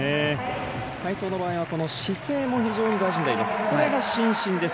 体操の場合は姿勢も非常に大事になります。